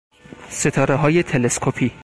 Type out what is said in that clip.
ستارههای تلسکوپی